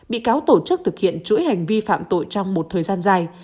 bị cáo tổ chức thực hiện chuỗi hành vi phạm tội trong một thời gian dài